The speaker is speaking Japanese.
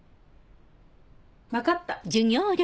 分かった。